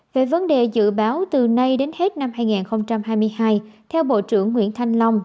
về vấn đề dự báo từ nay đến hết năm hai nghìn hai mươi hai theo bộ trưởng nguyễn thanh long